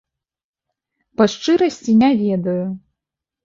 Па шчырасці, не ведаю.